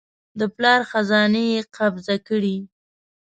د پلار خزانې یې قبضه کړې.